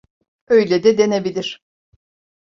Öyle de denebilir.